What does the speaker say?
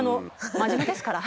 真面目ですから。